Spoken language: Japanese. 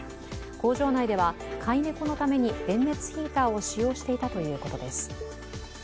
工場内では飼い猫のために電熱ヒーターを使用していたということです。